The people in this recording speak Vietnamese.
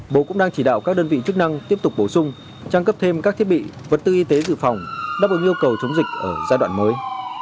bộ cũng đang chỉ đạo các đơn vị chức năng tiếp tục bổ sung trang cấp thêm các thiết bị vật tư y tế dự phòng đáp ứng yêu cầu chống dịch ở giai đoạn mới